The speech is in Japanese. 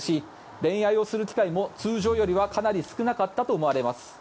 恋愛をする機会も通常よりはかなり少なかったと思われます。